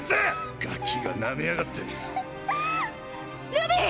ルビー！